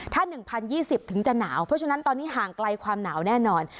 ถ้า๑๐๒๐ถึงจะหนาวเพราะฉะนั้นตอนนี้ห่างไกลความหนาวแน่นอน